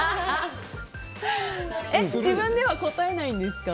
自分では答えないんですか？